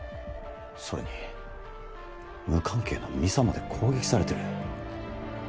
それに無関係な美沙まで攻撃されてる。